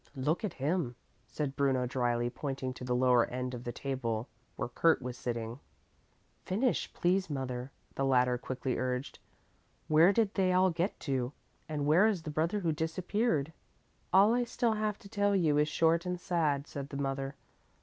"Look at him," said Bruno dryly, pointing to the lower end of the table where Kurt was sitting. "Finish, please, mother," the latter quickly urged. "Where did they all get to? And where is the brother who disappeared?" "All I still have to tell you is short and sad," said the mother.